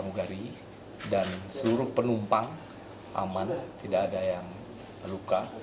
ramu gari dan seluruh penumpang aman tidak ada yang terluka